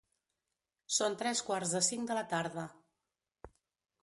Són tres quarts de cinc de la tarda.